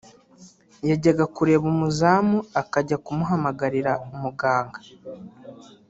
yajyaga kureba umuzamu akajya kumuhamagarira muganga